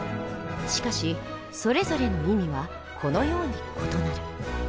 しかしそれぞれの意味はこのように異なる。